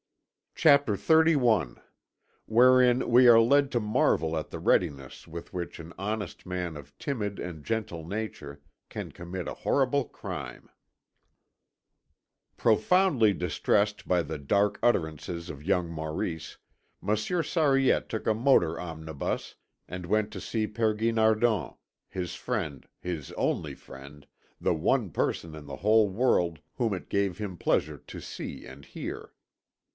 CHAPTER XXXI WHEREIN WE ARE LED TO MARVEL AT THE READINESS WITH WHICH AN HONEST MAN OF TIMID AND GENTLE NATURE CAN COMMIT A HORRIBLE CRIME Profoundly distressed by the dark utterances of young Maurice, Monsieur Sariette took a motor omnibus, and went to see Père Guinardon, his friend, his only friend, the one person in the whole world whom it gave him pleasure to see and hear.